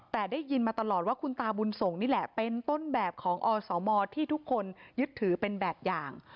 แต่ได้ยินมาตลอดว่าคุณตาบุญส่งนี่แหละเป็นต้นแบบของอสมที่ทุกคนยึดถือเป็นแบบอย่าง